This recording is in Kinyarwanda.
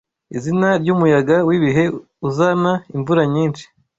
Izina ryumuyaga wibihe uzana imvura nyinshi